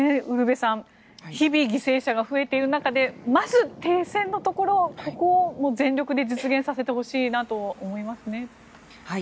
ウルヴェさん日々犠牲者が増えている中でまず停戦のところをここを全力で実現させてほしいなと思いますね。